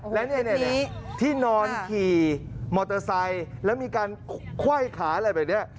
แล้วนี่ที่นอนขี่มอเตอร์ไซค์แล้วมีการไขว้ขาอะไรแบบนี้